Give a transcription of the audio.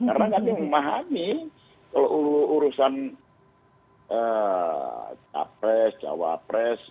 karena kan ini memahami kalau urusan capres cawapres